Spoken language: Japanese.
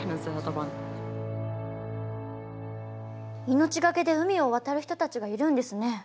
命懸けで海を渡る人たちがいるんですね。